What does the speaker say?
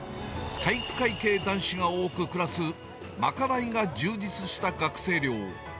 体育会系男子が多く暮らす、賄いが充実した学生寮。